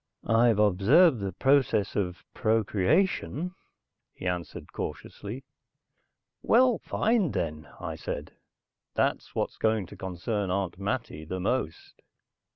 "I've observed the process of procreation," he answered cautiously. "Well fine, then," I said. "That's what's going to concern Aunt Mattie the most."